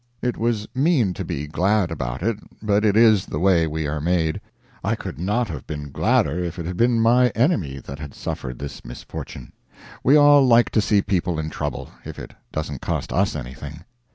It was mean to be glad about it, but it is the way we are made; I could not have been gladder if it had been my enemy that had suffered this misfortune. We all like to see people in trouble, if it doesn't cost us anything.